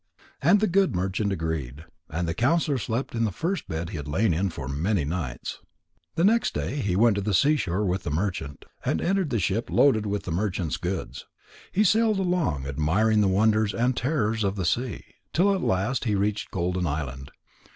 And the good merchant agreed. And the counsellor slept in the first bed he had lain in for many nights. The next day he went to the seashore with the merchant, and entered the ship loaded with the merchant's goods. He sailed along, admiring the wonders and terrors of the sea, till at last he reached Golden Island.